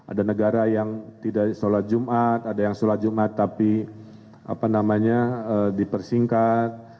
ada negara yang tidak sholat jumat ada yang sholat jumat tapi dipersingkat